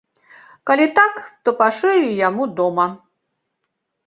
Калі так, то пашыю яму дома.